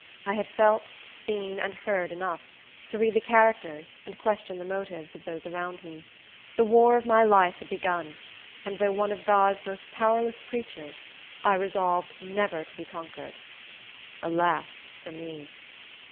I had felt, seen, and heard enough, to read the characters, and question the motives, of those around me. The war of my life had begun; and though one of God's most powerless creatures, I resolved never to be conquered. Alas, for me!